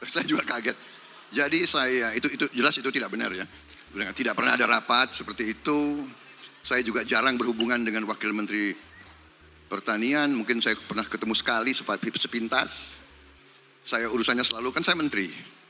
saya juga kaget jadi saya itu jelas itu tidak benar ya tidak pernah ada rapat seperti itu saya juga jarang berhubungan dengan wakil menteri pertanian mungkin saya pernah ketemu sekali sepintas saya urusannya selalu kan saya menteri